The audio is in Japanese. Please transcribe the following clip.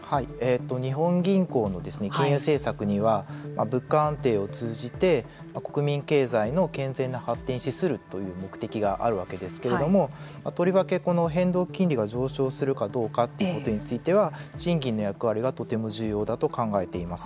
日本銀行の金融政策には物価安定を通じて国民経済の健全な発展に資するという目的があるんですけれどもとりわけ、この変動金利が上昇するかどうかということについては賃金の役割はとても重要だと考えています。